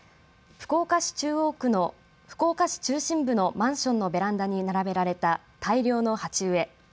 福岡市中央区の中心部のマンションのベランダに並べられた大量の鉢植え。